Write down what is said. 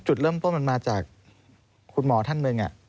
จุดเริ่มต้นมันมาจากคุณหมอท่านหนึ่ง